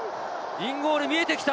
インゴール見えてきた。